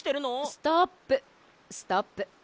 ストップストップ。